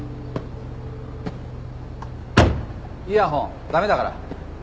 イヤホン駄目だから。